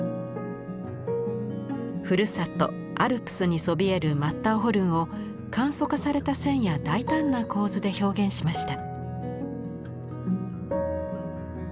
ふるさとアルプスにそびえるマッターホルンを簡素化された線や大胆な構図で表現しました。